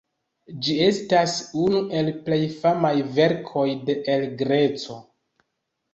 Ĝi estas unu el plej famaj verkoj de El Greco.